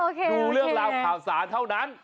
ส่องทาวน์ส่องทาวน์ดูเรื่องราวผ่าสาวเท่านั้น